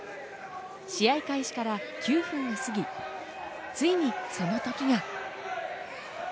試合開始から９分が過ぎ、ついにその時が。